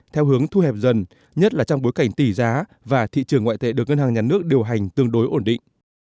theo hướng thu hẹp dần nhất là trong bối cảnh tỷ giá và thị trường ngoại tệ được ngân hàng nhà nước điều hành tương đối ổn định